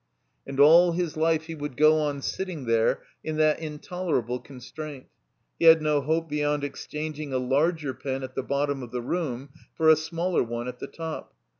And all his life he would go on sitting there in that intolerable constraint. He had no hope beyond exchanging a larger pen at the bottom of the room for a smaller one at the top.